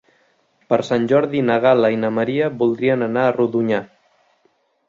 Per Sant Jordi na Gal·la i na Maria voldrien anar a Rodonyà.